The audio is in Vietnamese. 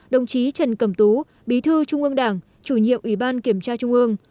đồng chí trần cẩm tú bí thư trung ương đảng chủ nhiệm ủy ban kiểm tra trung ương